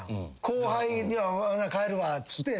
後輩には帰るわっつって。